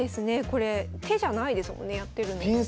これ手じゃないですもんねやってるのね。